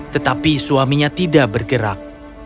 tetapi suaminya tidak bergerak